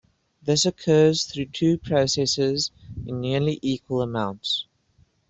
This occurs through two processes in nearly equal amounts.